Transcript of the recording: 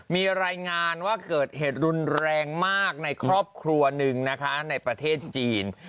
มีรายงานว่าเกิดเหตุรุนแรงมากในครอบครัวหนึ่งนะคะในประเทศจีน